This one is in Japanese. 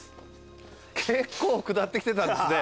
結構下ってきてたんですね